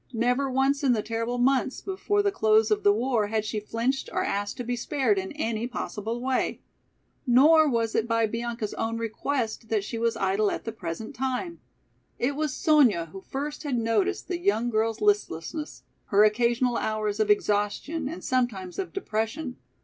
Never once in the terrible months before the close of the war had she flinched or asked to be spared in any possible way. Nor was it by Bianca's own request that she was idle at the present time. It was Sonya who first had noticed the young girl's listlessness, her occasional hours of exhaustion and sometimes of depression.